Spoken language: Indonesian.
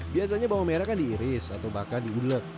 biasanya bawang merah kan diiris atau bahkan digulet